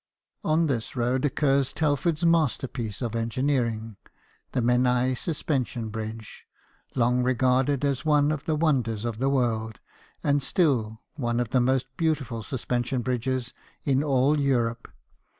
On this roe.d occurs Telford's masterpiece of engineering, the Menai suspension bridge, long regarded as one of the wonders of the world, and still one of the most beautiful suspension bridges in all Europe.